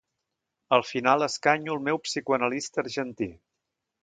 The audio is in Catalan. Al final escanyo el meu psicoanalista argentí.